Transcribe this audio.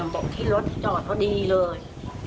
บอกที่รถจอดพอดีเลย